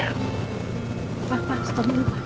pak pak setuju pak